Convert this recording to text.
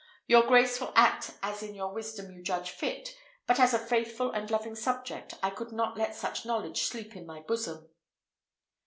Your grace will act as in your wisdom you judge fit; but as a faithful and loving subject I could not let such knowledge sleep in my bosom."